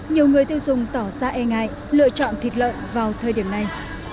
nhiều người tiêu dùng tỏ ra e ngại lựa chọn thịt lợn vào thời điểm này